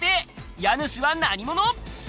家主は何者？